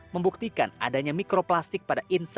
membuktikan adanya mikroplastik di perairan ekosistem ikan laut